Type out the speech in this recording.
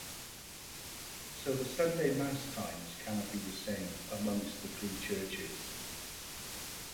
So the Sunday Mass times cannot be the same amongst the three churches.